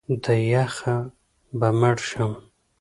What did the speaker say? د یخه به مړ شم!